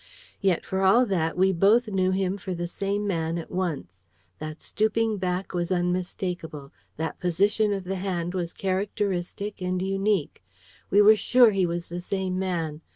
Yet for all that, we both knew him for the same man at once. That stooping back was unmistakable; that position of the hand was characteristic and unique. We were sure he was the same man.